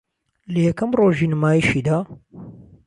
لە یەکەم رۆژی نمایشیدا